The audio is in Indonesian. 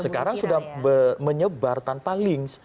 sekarang sudah menyebar tanpa link